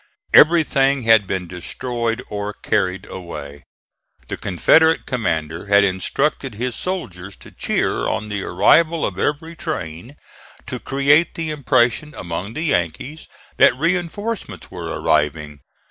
Everything had been destroyed or carried away. The Confederate commander had instructed his soldiers to cheer on the arrival of every train to create the impression among the Yankees that reinforcements were arriving.